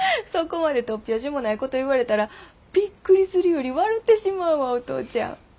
そこまで突拍子もないこと言われたらびっくりするより笑てしまうわお父ちゃん。